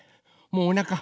もうおなか。